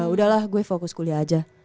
udahlah gue fokus kuliah aja